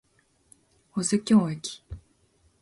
保津峡駅